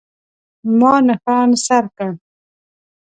ما نښان سر کړ.